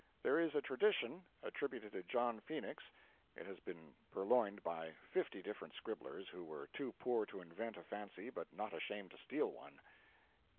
There is a tradition (attributed to John Phenix [It has been purloined by fifty different scribblers who were too poor to invent a fancy but not ashamed to steal one.